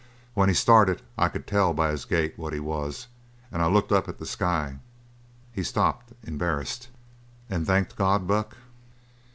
When he started I could tell by his gait what he was, and I looked up at the sky " He stopped, embarrassed. "And thanked God, Buck?"